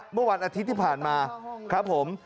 เมื่อวันอาทิตย์ที่ผ่านมาครับผม